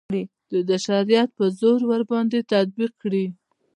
د ده شریعت په زور ورباندې تطبیق کړي.